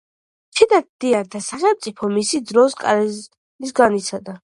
შედადიანთა სახელმწიფო მის დროს კრიზისს განიცდიდა.